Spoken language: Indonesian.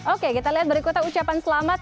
oke kita lihat berikutnya ucapan selamat